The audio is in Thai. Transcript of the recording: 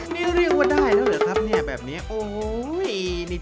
นี่รีวว่าได้หรือครับแบบนี้